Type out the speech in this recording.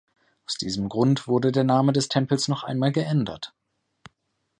Aus diesem Grund wurde der Name des Tempels noch einmal geändert.